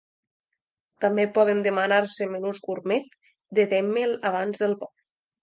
També poden demanar-se menús gurmet de Demel abans del vol.